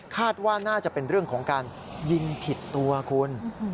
คาดว่าน่าจะเป็นเรื่องของการยิงผิดตัวคุณ